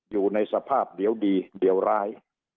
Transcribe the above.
อยู่ในสภาพเดี๋ยวดีเดี๋ยวร้าย